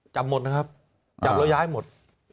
หมดนะครับจับแล้วย้ายหมด